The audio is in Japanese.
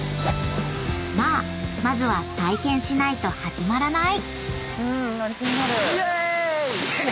［まあまずは体験しないと始まらない！］